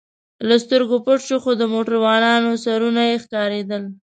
له سترګو پټ شو، خو د موټروانانو سرونه یې ښکارېدل.